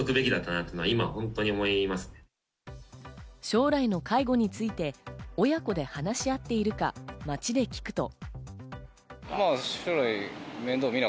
将来の介護について親子で話し合っているか街で聞くと。